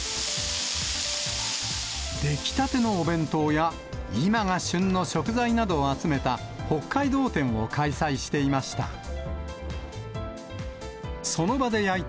出来たてのお弁当や、今が旬の食材などを集めた、北海道展を開催していました。